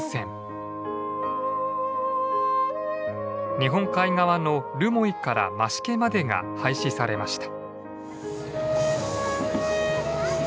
日本海側の留萌から増毛までが廃止されました。